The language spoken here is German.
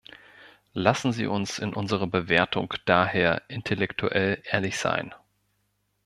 Lassen Sie uns in unserer Bewertung daher intellektuell ehrlich sein.